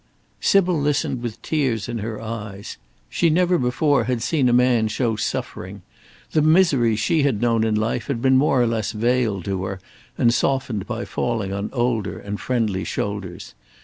Sybil listened with tears in her eyes. She never before had seen a man show suffering. The misery she had known in life had been more or less veiled to her and softened by falling on older and friendly shoulders.